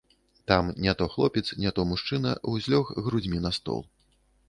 Там не то хлопец, не то мужчына ўзлёг грудзьмі на стол.